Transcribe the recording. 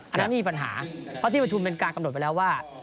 อันนั้นไม่มีปัญหาเพราะที่ประชุมเป็นการกำหนดไปแล้วว่า